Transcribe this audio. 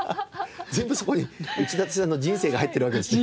全部そこに内館さんの人生が入ってるわけですね。